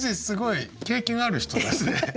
すごい経験ある人ですね。